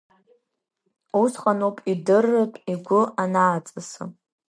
Усҟаноуп идырратә игәы анааҵысы.